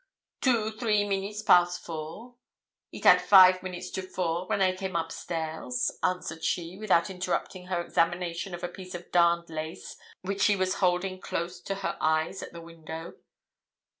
'Two three minutes past four. It had five minutes to four when I came upstairs,' answered she, without interrupting her examination of a piece of darned lace which she was holding close to her eyes at the window.